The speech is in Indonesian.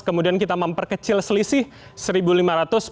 kemudian kita memperkecil selisih rp satu lima ratus